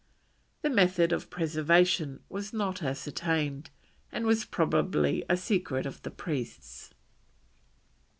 The method of preservation was not ascertained, and was probably a secret of the priests.